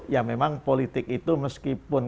ya memang politik itu meskipun